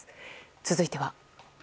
続いては。